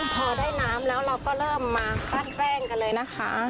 พอได้น้ำแล้วเราก็เริ่มมาคัดแป้งกันเลยนะคะ